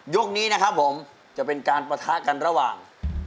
นี้นะครับผมจะเป็นการปะทะกันระหว่าง